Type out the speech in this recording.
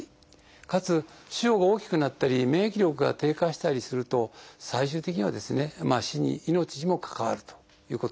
かつ腫瘍が大きくなったり免疫力が低下したりすると最終的には命にも関わるということです。